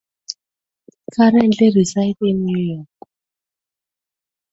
He currently resides in New York.